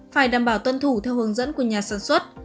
phải đảm bảo tuân thủ theo hướng dẫn của nhà sản xuất